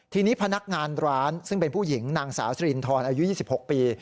ทีนี้พนักงานร้านซึ่งเป็นผู้หญิงนางสาวสรินทรอายุ๒๖ปี